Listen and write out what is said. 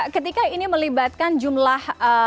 ketika ini melibatkan jumlah